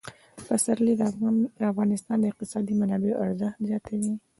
پسرلی د افغانستان د اقتصادي منابعو ارزښت زیاتوي.